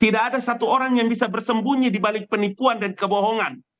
tidak ada satu orang yang bisa bersembunyi di balik penipuan dan kebohongan